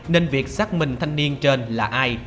nên việc xác minh thanh niên trên là ai